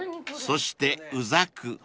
［そしてうざく］